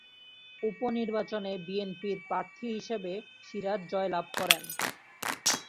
উপনির্বাচনে বিএনপির প্রার্থী হিসেবে সিরাজ জয়লাভ করেন।